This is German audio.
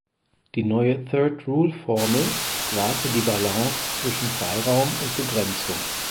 Die neue "Third Rule Formel" wahrte die Balance zwischen Freiraum und Begrenzung.